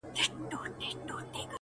کلونه واوښتل عمرونه تېر سول،